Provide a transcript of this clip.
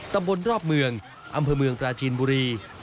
ตำบลรอบเมืองอำเภอเมืองปราจีนบุรี